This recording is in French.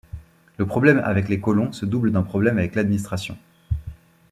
Le problème avec les colons se double d'un problème avec l'administration.